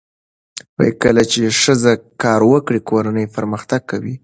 کله چې ښځه کار وکړي، کورنۍ پرمختګ کوي.